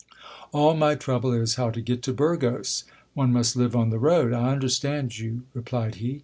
All my trouble is, how to get to Burgos : one must live on the road. I understand you, replied he.